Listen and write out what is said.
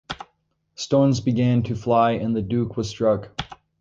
Stones began to fly and the Duke was struck.